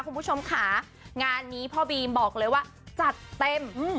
คุณผู้ชมค่ะงานนี้พ่อบีมบอกเลยว่าจัดเต็ม